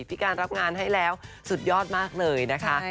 พี่การรับงานให้แล้วสุดยอดมากเลยนะคะ